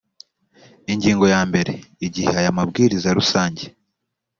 ingingo ya mbere igihe aya mabwiriza rusange